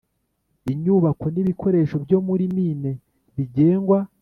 Inyubako n ibikoresho byo muri mine bigengwa